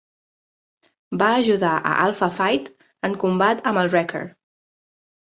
Va ajudar a Alpha Flight en combat amb el Wrecker.